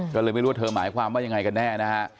ก็เลยไม่รู้ว่าเธอหมายความว่ายังไงกันแน่นะฮะ